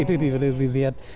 itu diperlu dilihat